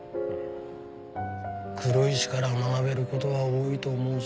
黒石から学べる事は多いと思うぞ。